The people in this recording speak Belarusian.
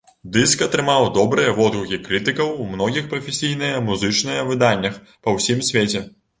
Дыск атрымаў добрыя водгукі крытыкаў у многіх прафесійныя музычныя выданнях па ўсім свеце.